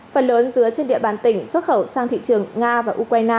phần lớn dứa trên địa bàn tỉnh xuất khẩu sang thị trường nga và ukraine